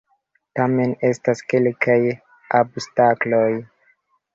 Tamen estas kelkaj obstakloj!